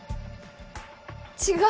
違う。